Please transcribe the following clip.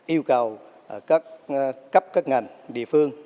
yêu cầu các cấp các ngành địa phương